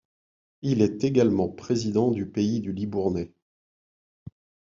Il est également président du Pays du Libournais.